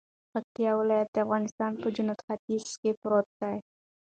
پکتيا ولايت د افغانستان په جنوت ختیځ کی پروت ده